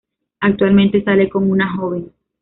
Actualmente sale con una joven.